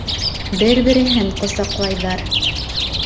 Бер-береһен ҡосаҡлайҙар.